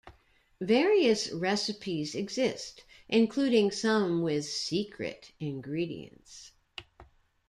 Various recipes exist, including some with "secret" ingredients.